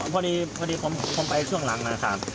พอดีผมไปช่วงหลังนะครับ